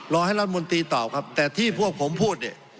ให้รัฐมนตรีตอบครับแต่ที่พวกผมพูดเนี่ย